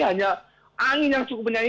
hanya angin yang cukup menyanyi